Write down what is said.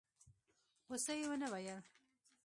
خو څه يې ونه ويل.